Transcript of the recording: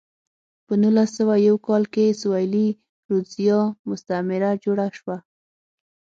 په نولس سوه یو کال کې سویلي رودزیا مستعمره جوړه شوه.